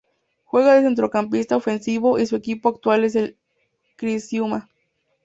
Juega de centrocampista ofensivo y su equipo actual es el Criciúma.